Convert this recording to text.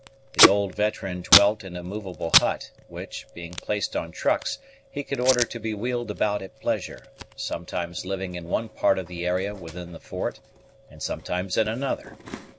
The old veteran dwelt in a movable hut, which, being placed on trucks, he could order to be wheeled about at pleasure, sometimes living in one part of the area within the fort, and sometimes in another.